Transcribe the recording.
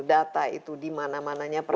data itu dimana mananya